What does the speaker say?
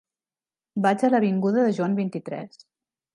Vaig a l'avinguda de Joan vint-i-tres.